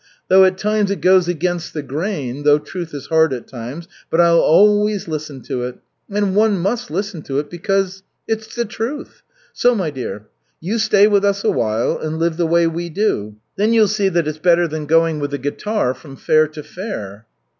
Though at times it goes against the grain, though truth is hard at times, but I'll always listen to it. And one must listen to it, because it's the truth. So, my dear. You stay with us a while and live the way we do. Then you'll see that it's better than going with a guitar from fair to fair."